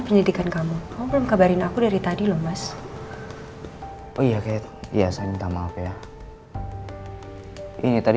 penyelidikan kamu belum kabarin aku dari tadi lemas oh iya kayak biasa minta maaf ya ini tadi